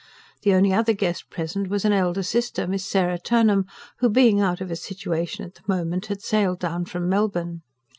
The only other guest present was an elder sister, Miss Sarah Turnham, who, being out of a situation at the moment, had sailed down from Melbourne.